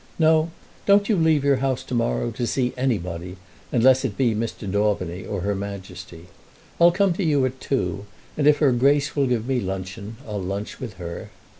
No; don't you leave your house to morrow to see anybody unless it be Mr. Daubeny or her Majesty. I'll come to you at two, and if her Grace will give me luncheon, I'll lunch with her.